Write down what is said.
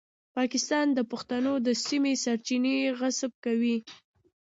پاکستان د پښتنو د سیمې سرچینې غصب کوي.